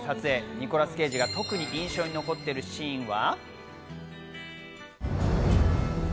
ニコラス・ケイジが特に印象に残っているシーンは？